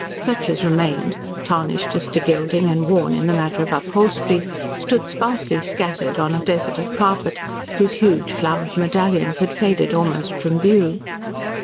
Such as remained, tarnished as to gilding and worn in the matter of upholstery, stood sparsely scattered on a desert of carpet, whose huge, flowered medallions had faded almost from view.